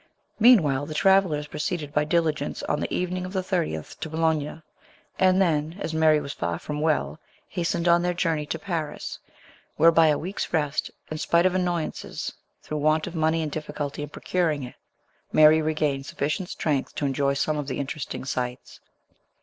Meanwhile the travellers proceeded by diligence on the evening of the 30th to Boulogne, and then, as Mary was far from well, hastened on their journey to Paris, where by a week's rest, in spite of many annoy ances through want of money aud difficulty in procuring it, Mary regained sufficient strength to enjoy some of the interesting sights.